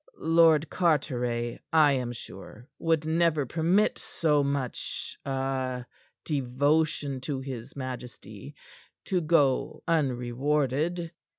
"Lord Carteret, I am sure, would never permit so much ah devotion to his majesty to go unrewarded."